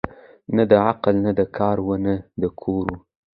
نه د عقل نه د کار وه نه د کور وه